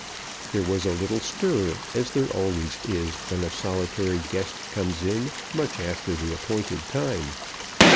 There was a little stir, as there always is when a solitary guest comes in much after the appointed time.